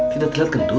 kita terlihat gendut